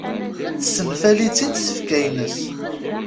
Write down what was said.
Tessenfali-tt-id tfekka-nsen.